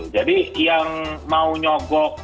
jadi yang mau nyogok